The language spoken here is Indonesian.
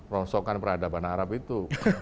ronsokan peradaban arab itu